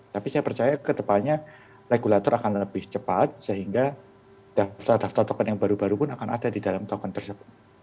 tapi saya percaya ke depannya regulator akan lebih cepat sehingga daftar daftar token yang baru baru pun akan ada di dalam token tersebut